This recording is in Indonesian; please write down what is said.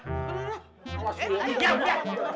gue gak mau kaya berhenti